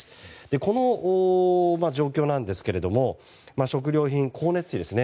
この状況なんですが食料品、光熱費ですね。